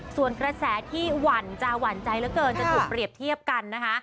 ส่วนกระแสที่หวั่นจะหวั่นใจเหลือเกินจะถูกเปรียบเทียบกันนะคะ